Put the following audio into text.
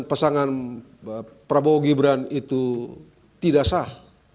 pasangan prabowo gibran itu tidak sah